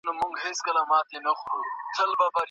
دا د کرکټ بال له سختې څرمنې او په سور رنګ کې دی.